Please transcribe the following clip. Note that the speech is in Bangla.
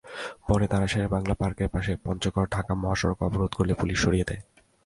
পরে তাঁরা শেরেবাংলা পার্কের পাশে পঞ্চগড়-ঢাকা মহাসড়ক অবরোধ করলে পুলিশ সরিয়ে দেয়।